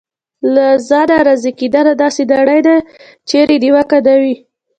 له ځانه راضي کېدنه: داسې نړۍ ده چېرې نیوکه نه وي.